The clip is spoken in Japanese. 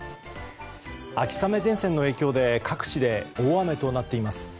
秋雨前線の影響で各地で大雨となっています。